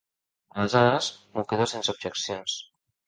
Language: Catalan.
Aleshores, m'ho quedo sense objeccions.